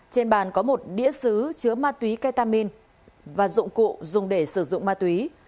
trên bàn có một đĩa xứ chứa ma túy ketamin và dụng cụ dùng để sử dụng ma túy